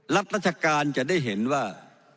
รัฐราชการจะได้เห็นว่า